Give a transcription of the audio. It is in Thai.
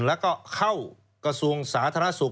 แล้วก็เข้ากระทรวงสาธารณสุข